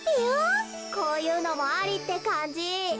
こういうのもありってかんじ。